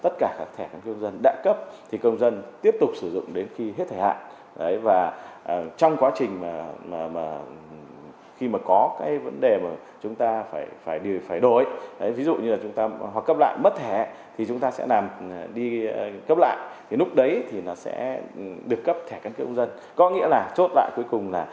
thẻ căn cước công dân có nghĩa là chốt lại cuối cùng là thẻ căn cước mà các gắn chip đã cấp